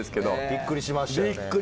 びっくりしました！